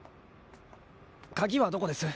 鍵はどこです？